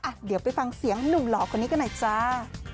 อ่ะเดี๋ยวไปฟังเสียงหนุ่มหล่อคนนี้กันหน่อยจ้า